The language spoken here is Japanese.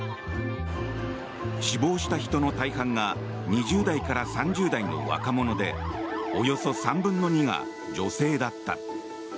死亡した人の大半が２０代から３０代の若者でおよそ３分の２が女性だった。